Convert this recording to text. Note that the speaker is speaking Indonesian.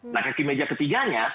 nah kaki meja ketiganya